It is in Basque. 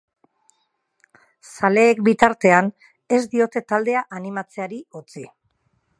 Zaleek, bitartean, ez diote taldea animatzeari utzi.